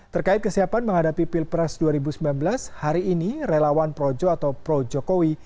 terkait kesiapan menghadapi pilpres dua ribu sembilan belas hari ini relawan projo atau pro jokowi